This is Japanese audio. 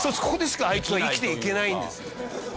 ここでしかあいつは生きていけないんですよ。